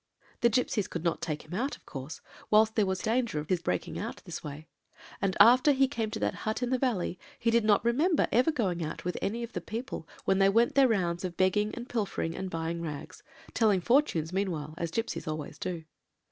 The gipsies could not take him out, of course, whilst there was danger of his breaking out in this way; and after he came to that hut in the valley, he did not remember ever going out with any of the people when they went their rounds of begging, and pilfering, and buying rags; telling fortunes meanwhile, as gipsies always do.